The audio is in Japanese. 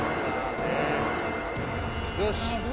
よし。